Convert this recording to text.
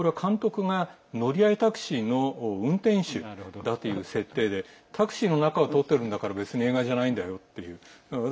監督が乗り合いタクシーの運転手だという設定でタクシーの中を撮っているんだから映画じゃないんだよっていう。